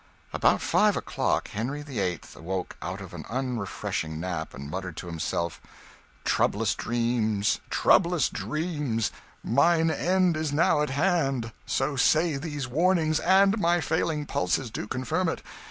About five o'clock Henry VIII. awoke out of an unrefreshing nap, and muttered to himself, "Troublous dreams, troublous dreams! Mine end is now at hand: so say these warnings, and my failing pulses do confirm it."